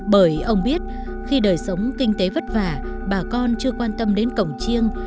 bởi ông biết khi đời sống kinh tế vất vả bà con chưa quan tâm đến cổng chiêng